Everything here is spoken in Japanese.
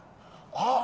あっ！